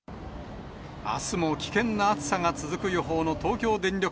あすも危険な暑さが続く予報の東京電力